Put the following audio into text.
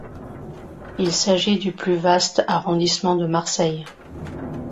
Il s'agit du plus vaste arrondissement de Marseille.